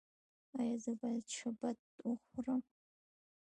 ایا زه باید شبت وخورم؟